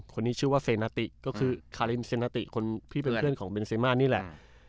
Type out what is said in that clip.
คนนี้ชื่อว่าเซนาติก็คือคารินเซนาติคนที่เป็นเพื่อนของเบนเซมานี่แหละ